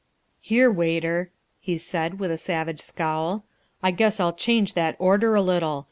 "Here, waiter," he said with a savage scowl, "I guess I'll change that order a little.